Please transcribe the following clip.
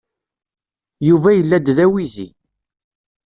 Yuba yella-d d awizi.